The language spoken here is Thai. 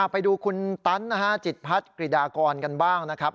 ไปดูคุณตันนะฮะจิตพัฒน์กริดากรกันบ้างนะครับ